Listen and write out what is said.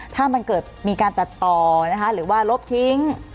ถ้ามันเกิดมีการตัดต่อนะคะหรือว่าลบทิ้ง